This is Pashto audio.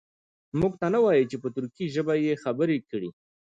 موږ ته نه وایي چې په ترکي ژبه یې خبرې کړي.